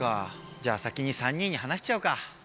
じゃあ先に３人に話しちゃうか。